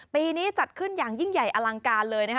ปีนี้จัดขึ้นอย่างยิ่งใหญ่อลังการเลยนะคะ